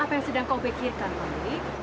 apa yang sedang kau pikirkan ini